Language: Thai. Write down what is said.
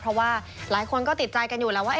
เพราะว่าหลายคนก็ติดใจกันอยู่แล้วว่า